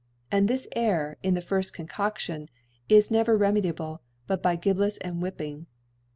And this Error in the firfb Con < codion is never remediable but by Gibbets * and whipping.